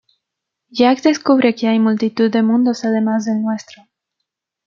Jack descubre que hay multitud de mundos además del nuestro.